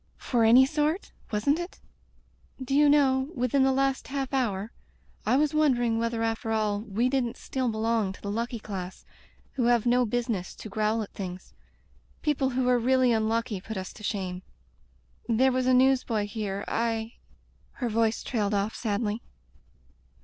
"For any sort, wasn't it? ... Do you know, within the last half hour, I was won dering whether after all we didn't still belong to the lucky class who have no business to growl at things. People who are really un lucky put us to shame. ... There was a newsboy here — I —" Her voice trailed off sadly.